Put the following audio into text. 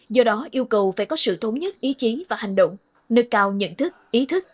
do đó yêu cầu phải có sự thống nhất ý chí và hành động nâng cao nhận thức ý thức